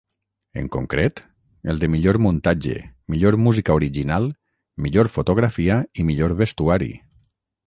En concret, el de millor muntatge, millor música original, millor fotografia i millor vestuari.